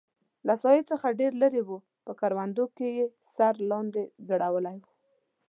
له ساحې څخه ډېر لرې و، په کروندو کې یې سر لاندې ځړولی و.